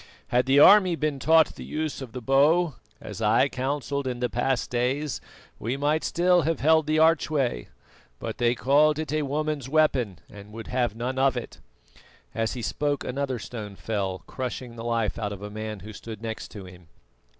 Had the army been taught the use of the bow, as I counselled in the past days, we might still have held the archway; but they called it a woman's weapon, and would have none of it." As he spoke another stone fell, crushing the life out of a man who stood next to him.